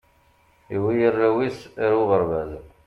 iwwi arraw is ar uɣerbaz